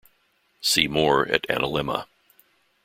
See more at analemma.